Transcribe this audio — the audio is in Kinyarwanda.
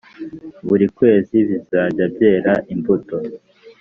buri kwezi bizajya byera imbuto